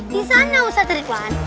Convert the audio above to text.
di sana ustadz seteribuan